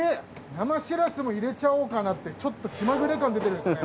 生シラスも入れちゃおうかなってちょっと気まぐれ感出てるんですね。